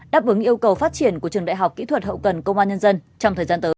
đáp ứng yêu cầu phát triển của trường đại học kỹ thuật hậu cần công an nhân dân trong thời gian tới